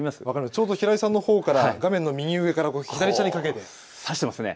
ちょうど平井さんのほうから画面の右上から下にかけてさしていますね。